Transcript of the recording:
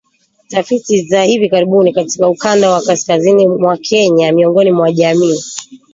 Tafiti za hivi karibuni katika ukanda wa kaskazini mwa Kenya miongoni mwa jamii